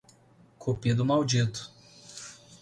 Cupido maldito